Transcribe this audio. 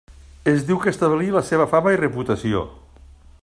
Es diu que establí la seva fama i reputació.